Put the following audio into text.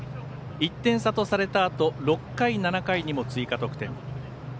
１点差とされたあと６回、７回にも追加得点。